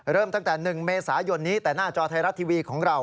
เริ่มตั้งแต่๑เมษายนนี้แต่หน้าจอไทยรัฐทีวีของเรา